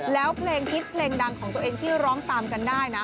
แล้วเพลงฮิตเพลงดังของตัวเองที่ร้องตามกันได้นะ